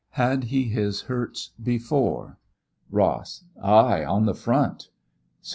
Had he his hurts before? Ross. Ay, on the front. Siw.